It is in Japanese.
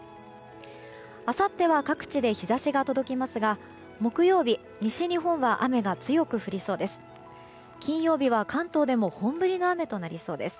あさっては各地で日差しが届きますが木曜日、西日本は雨が強く降りそうです。